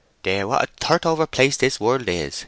"Dear, what a thirtover place this world is!"